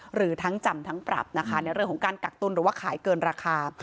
หรือทั้งจำทั้งปรับนะคะในเรื่องของการกักตุ้นหรือว่าขายเกินราคา